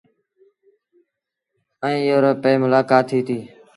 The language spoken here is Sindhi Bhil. ائيٚݩ رو پئيٚ ملآڪآت ٿيٚتيٚ۔